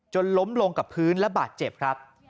ล้มลงกับพื้นและบาดเจ็บครับ